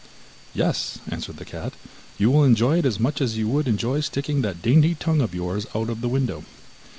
'Yes,' answered the cat, 'you will enjoy it as much as you would enjoy sticking that dainty tongue of yours out of the window.